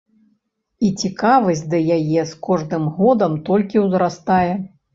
І цікавасць да яе з кожным годам толькі ўзрастае.